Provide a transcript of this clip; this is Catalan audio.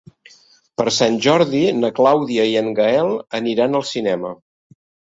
Per Sant Jordi na Clàudia i en Gaël aniran al cinema.